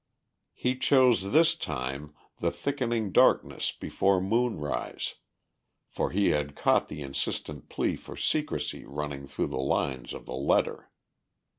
He chose this time, the thickening darkness before moonrise, for he had caught the insistent plea for secrecy running through the lines of the letter.